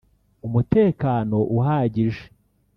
umutekano uhagije